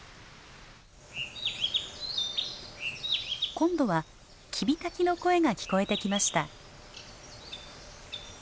今度はキビタキの声が聞こえてきました。